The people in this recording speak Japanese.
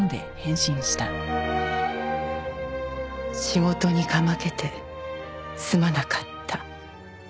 「仕事にかまけてすまなかった」